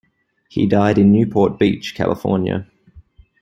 He died in Newport Beach, California.